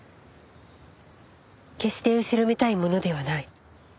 決して後ろめたいものではない。